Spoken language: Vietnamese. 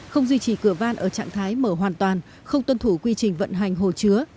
không duy trì cửa van ở trạng thái mở hoàn toàn không tuân thủ quy trình vận hành hồ chứa